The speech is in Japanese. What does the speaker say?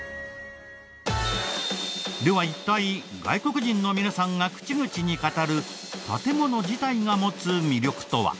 では一体外国人の皆さんが口々に語る建もの自体が持つ魅力とは？